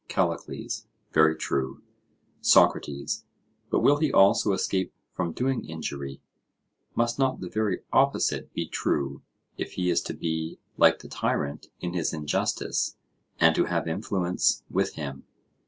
CALLICLES: Very true. SOCRATES: But will he also escape from doing injury? Must not the very opposite be true,—if he is to be like the tyrant in his injustice, and to have influence with him?